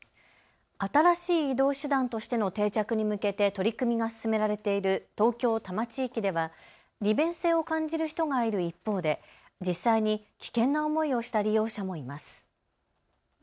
新しい移動手段としての定着に向けて取り組みが進められている東京多摩地域では利便性を感じる人がいる一方で実際に危険な思いをした利用者もいます。